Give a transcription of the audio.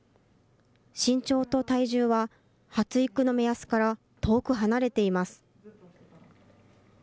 身長と体重は、発育の目安から遠く離れています。